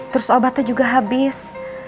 terus obatnya juga habis